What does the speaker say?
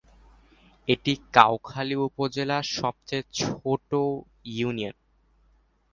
এটি কাউখালী উপজেলার সবচেয়ে ছোট ইউনিয়ন।